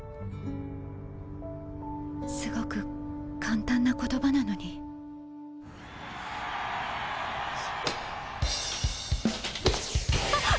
すごく簡単な言葉なのに・あっ！